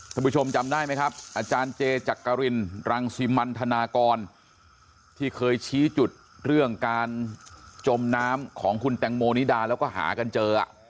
ผู้ชมจำได้ไหมครับอาจารย์เจจักรินรังสิมันธนากรที่เคยชี้จุดเรื่องการจมน้ำของคุณแตงโมนิดาแล้วก็หากันเจอ